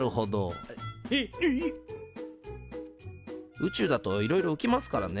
宇宙だといろいろうきますからね。